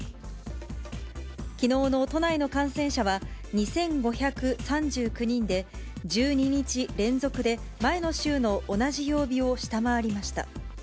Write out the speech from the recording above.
きのうの都内の感染者は、２５３９人で、１２日連続で前の週の同じ曜日を下回りました。